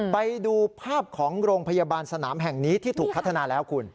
ไปดูภาพของโรงพยาบาลสนามแห่งนี้ที่ถูกพัฒนาแล้วคุณ